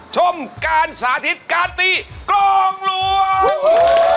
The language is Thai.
ชมการสาธิตการตี้กล่องหลวง